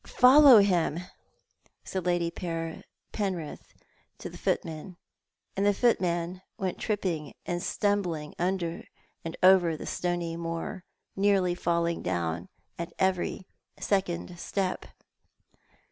"Follow him," said Lady Penrith to the footman, and the footman went tripping and stumbling over the stony moor, nearly fulling down at every second step.